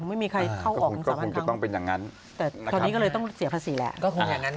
ไม่มีใครเข้าออก๓๐๐๐ครั้งตอนนี้ก็เลยต้องเสียภาษีแหละ